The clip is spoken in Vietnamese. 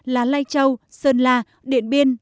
là lai châu sơn la điện biên